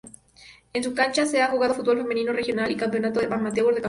En su cancha se ha jugado Fútbol Femenino Regional y Campeonato "amateur" de Campeones.